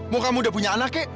mau kamu udah punya anak kek